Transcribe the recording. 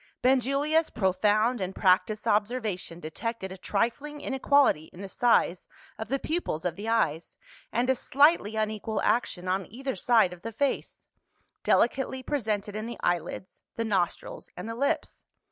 Benjulia's profound and practised observation detected a trifling inequality in the size of the pupils of the eyes, and a slightly unequal action on either side of the face delicately presented in the eyelids, the nostrils, and the lips.